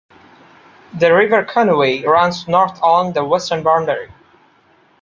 The River Conwy runs north along the western boundary.